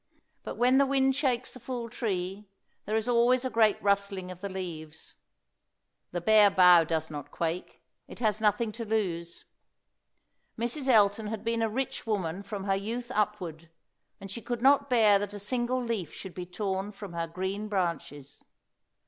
But when the wind shakes the full tree, there is always a great rustling of the leaves. The bare bough does not quake; it has nothing to lose. Mrs. Elton had been a rich woman from her youth upward, and she could not bear that a single leaf should be torn from her green branches.